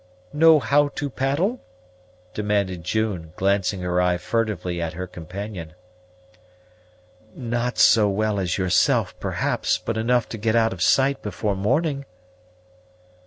"Know how to paddle?" demanded June, glancing her eye furtively at her companion. "Not so well as yourself, perhaps; but enough to get out of sight before morning."